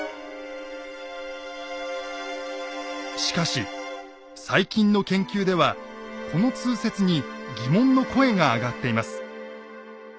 しかし最近の研究ではこの通説に疑問の声が上がっています。